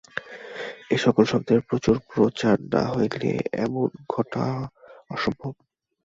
ঐ সকল শব্দের প্রচুর প্রচার না হইলে এমন ঘটা অসম্ভব।